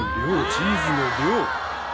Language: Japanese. チーズの量！